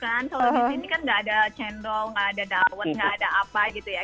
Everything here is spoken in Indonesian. kalau di sini kan gak ada cendol gak ada daun gak ada apa gitu ya